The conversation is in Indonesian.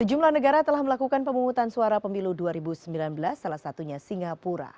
sejumlah negara telah melakukan pemungutan suara pemilu dua ribu sembilan belas salah satunya singapura